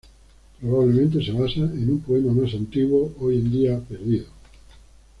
Probablemente se basa en un poema más antiguo hoy en día perdido.